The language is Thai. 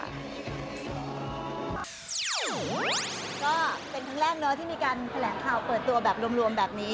ก็เป็นครั้งแรกเนอะที่มีการแถลงข่าวเปิดตัวแบบรวมแบบนี้